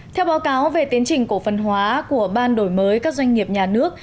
theo báo cáo về tiến trình cổ phần hóa của ban đổi mới các doanh nghiệp nhà nước